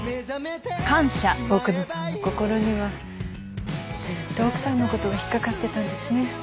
奥野さんの心にはずっと奥さんの事が引っかかってたんですね。